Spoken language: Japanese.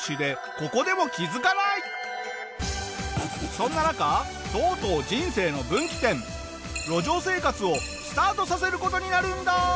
そんな中とうとう人生の分岐点路上生活をスタートさせる事になるんだ！